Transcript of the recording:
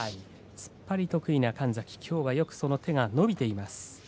突っ張り得意の神崎きょうはその手がよく伸びています。